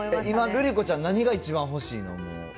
今、瑠璃子ちゃん、何が一番欲しいの？